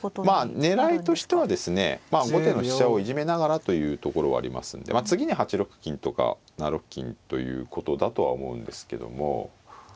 まあ狙いとしてはですねまあ後手の飛車をいじめながらというところはありますんで次に８六金とか７六金ということだとは思うんですけども。